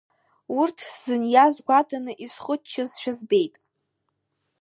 Урҭ сзыниаз гәаҭаны исхыччозшәа збеит.